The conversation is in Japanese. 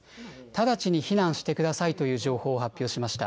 直ちに避難してくださいという情報を発表しました。